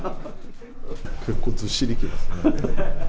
結構ずっしりきます。